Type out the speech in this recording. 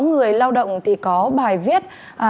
người lao động có bài viết